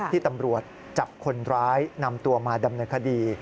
ที่ตำรวจจับคนร้ายนำตัวมาดำเนินคดี